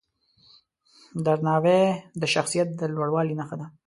درناوی د شخصیت د لوړوالي نښه ده.